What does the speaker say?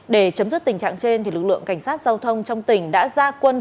để chấm dứt tình trạng trên lực lượng cảnh sát giao thông trong tỉnh đã ra quân